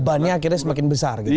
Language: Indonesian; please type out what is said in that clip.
bebannya akhirnya semakin besar gitu